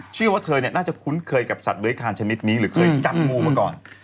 เชื่อว่าเธอน่าจะคุ้นเคยกับสัตว์คานชนิดนี้หรือเคยจับงูมาก่อน